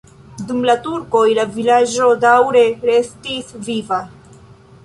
Dum la turkoj la vilaĝo daŭre restis viva.